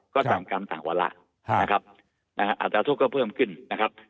ก็สั่งกรรมสั่งวัลละนะครับอาจารย์โทษก็เพิ่มขึ้นนะครับ